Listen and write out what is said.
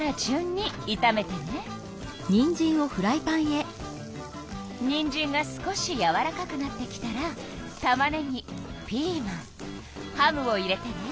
かたくてにんじんが少しやわらかくなってきたらたまねぎピーマンハムを入れてね。